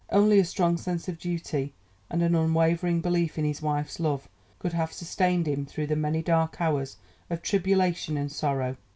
Only a strong sense of duty and an unwavering belief in his wife's love could have sustained him through the many dark hours of tribulation and sorrow.